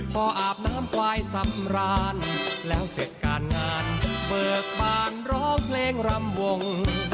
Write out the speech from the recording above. พออาบน้ำควายสำราญแล้วเสร็จการงานเบิกบานร้องเพลงรำวง